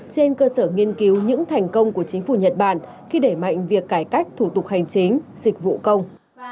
trên cơ sở nghiên cứu những thành công của chính phủ nhật bản khi để mạnh việc cải cách thủ tục hành chính dịch vụ công